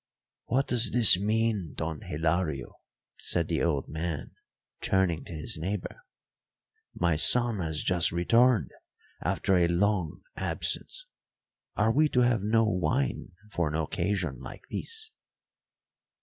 "What does this mean, Don Hilario?" said the old man, turning to his neighbour. "My son has just returned after a long absence; are we to have no wine for an occasion like this?"